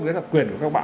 đó là quyền của các bạn